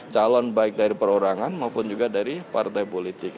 calon baik dari perorangan maupun juga dari partai politik